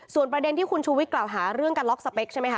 ประเด็นที่คุณชูวิทยกล่าวหาเรื่องการล็อกสเปคใช่ไหมค